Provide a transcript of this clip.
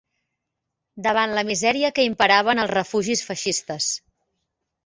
Davant la misèria que imperava en els refugis feixistes